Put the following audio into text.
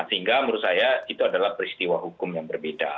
sehingga menurut saya itu adalah peristiwa hukum yang berbeda